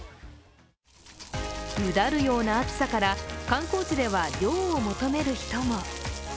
うだるような暑さから観光地では涼を求める人も。